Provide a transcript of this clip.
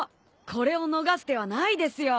これを逃す手はないですよ。